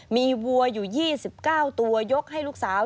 มีวัวอยู่๒๙ตัวยกให้ลูกสาว